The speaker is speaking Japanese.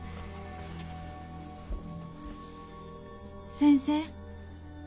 先生。